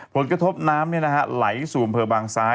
ผลกระทบน้ำไหลสู่อำเภอบางซ้าย